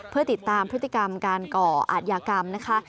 เพื่อติดตามพฤติกรรมการก่ออาทยากรรมนะคะ